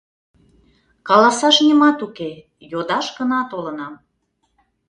Каласаш нимат уке, йодаш гына толынам.